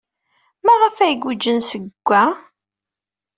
Maɣef ay guǧǧen seg-a?